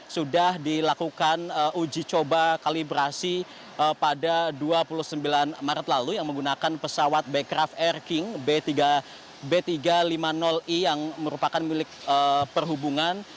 sudah dilakukan uji coba kalibrasi pada dua puluh sembilan maret lalu yang menggunakan pesawat becraft air king b tiga ratus lima puluh i yang merupakan milik perhubungan